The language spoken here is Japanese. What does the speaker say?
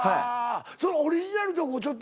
それオリジナル曲をちょっと。